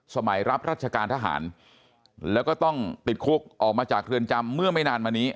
รับรัชการทหารแล้วก็ต้องติดคุกออกมาจากเรือนจำเมื่อไม่นานมานี้